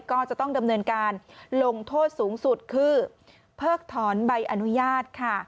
ก็จะต้องดำเนินการลงโทษสูงสุดคือเพิกถอนใบอนุญาตค่ะ